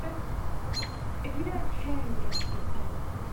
If you don't care who gets the credit.